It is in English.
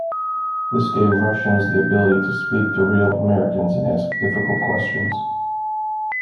This gave Russians the ability to speak to real Americans and ask difficult questions.